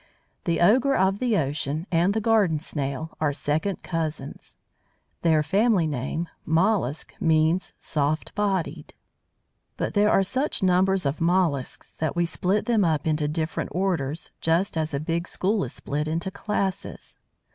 The ogre of the ocean and the Garden Snail are second cousins! Their family name mollusc means soft bodied. But there are such numbers of molluscs that we split them up into different orders, just as a big school is split into classes.